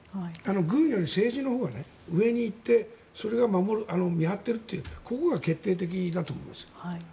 軍より政治のほうが上に行ってそれが見張ってるというここが決定的だと思うんです。